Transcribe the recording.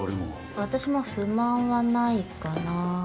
私も不満はないかな。